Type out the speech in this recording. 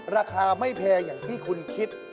ราคาไม่แพงอย่างที่คุณคิด